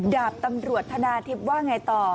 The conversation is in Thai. ดาบตำรวจธนาทิพย์ว่าไงต่อ